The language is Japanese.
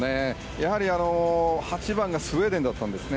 やはり、８番がスウェーデンだったんですよね。